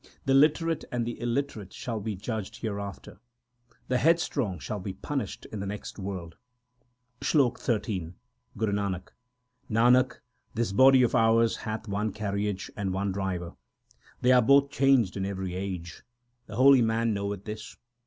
The literate and the illiterate shall be judged hereafter ; The headstrong shall be punished in the next world. SLOK XIII Guru Nanak Nanak, this body of ours 1 hath one carriage and one driver. They are both changed in every age : the holy man knoweth this.